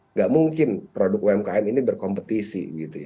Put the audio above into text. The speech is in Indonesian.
nggak mungkin produk umkm ini berkompetisi